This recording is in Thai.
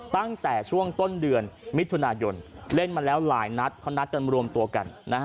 ตั้งแต่ช่วงต้นเดือนมิถุนายนเล่นมาแล้วหลายนัดเขานัดกันรวมตัวกัน